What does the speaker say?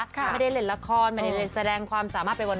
ไม่ได้เล่นละครไม่ได้แสดงความสามารถไปวัน